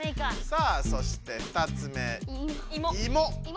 さあそして２つ目「いも」。